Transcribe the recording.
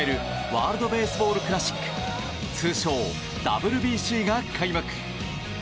ワールド・ベースボール・クラシック通称ＷＢＣが開幕。